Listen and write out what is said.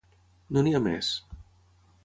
No n'hi ha més.